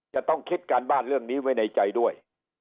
จะต้องคิดการบ้านเรื่องนี้ไว้ในใจด้วย